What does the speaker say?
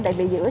đại vị giữ